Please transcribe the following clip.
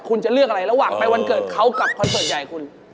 คุณจะเลือกอะไรระหว่างไปวันเกิดเขากับคอนเสิร์ตใหญ่คุณ